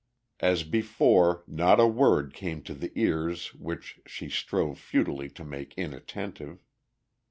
As before not a word came to the ears which she strove futilely to make inattentive.